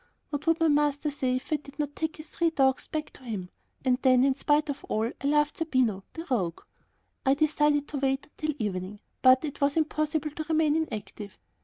What would my master say if I did not take his three dogs back to him? And then, in spite of all, I loved Zerbino, the rogue! I decided to wait until evening, but it was impossible to remain inactive.